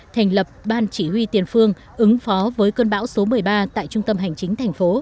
thành lập ban chỉ huy tiền phương ứng phó với cơn bão số một mươi ba tại trung tâm hành chính thành phố